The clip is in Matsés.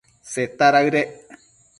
Seta daëdec